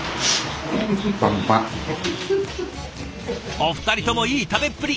お二人ともいい食べっぷり！